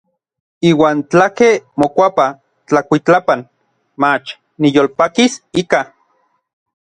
Iuan tlakej mokuapa tlakuitlapan, mach niyolpakis ika.